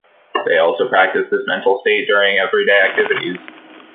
They also practice this mental state during everyday activities.